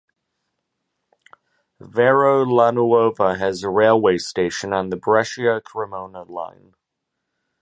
Verolanuova has a railway station on the Brescia-Cremona line.